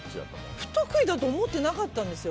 不得意だと思ってなかったんですよ。